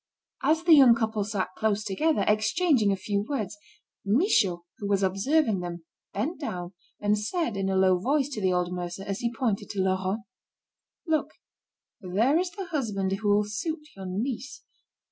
As the young couple sat close together, exchanging a few words, Michaud, who was observing them, bent down, and said in a low voice to the old mercer, as he pointed to Laurent: "Look, there is the husband who will suit your niece.